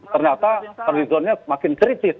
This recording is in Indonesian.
ternyata padilizonnya makin kritis